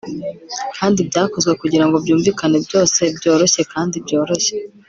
kandi byakozwe kugirango byumvikane byose byoroshye kandi byoroshye